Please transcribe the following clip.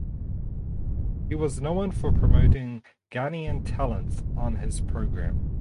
He was known for promoting Ghanaian talents on his program.